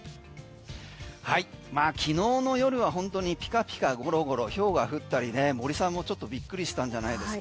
昨日の夜は本当にピカピカ、ゴロゴロひょうが降ったり森さんもちょっとびっくりしたんじゃないですか？